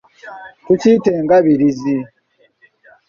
Tukiyita engabirizi.